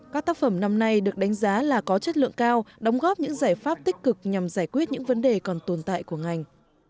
các tác phẩm năm nay được đánh giá là có chất lượng cao đóng góp những giải pháp tích cực nhằm giải quyết những vấn đề còn tồn tại của ngành